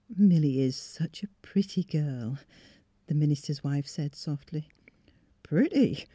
"" Milly is such a pretty girl," the minister's wife said, softly. '' Pretty?